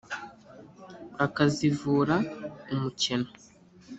akazivura umukeno.